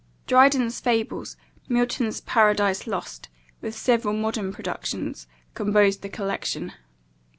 Dryden's Fables, Milton's Paradise Lost, with several modern productions, composed the collection.